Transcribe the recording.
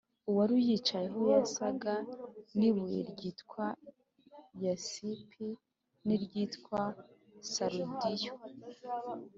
Uwari uyicayeho yasaga n’ibuye ryitwa yasipi n’iryitwa sarudiyo,